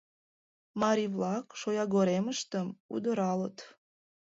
Марий-влак шоягоремыштым удыралыт.